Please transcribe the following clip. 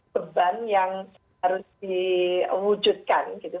beban yang harus diwujudkan gitu